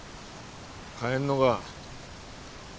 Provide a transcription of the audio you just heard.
帰んのが。